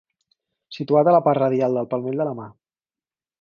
Situat a la part radial del palmell de la mà.